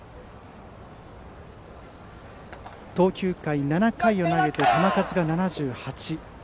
投球回７回を投げて球数が７８。